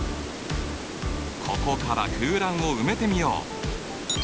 ここから空欄を埋めてみよう。